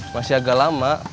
masih agak lama